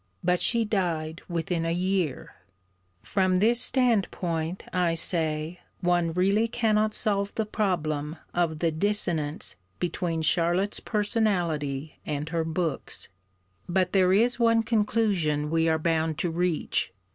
But she died within a year) from this standpoint, I say, one really cannot solve the problem of the 'dissonance' between Charlotte's personality and her books. But there is one conclusion we are bound to reach.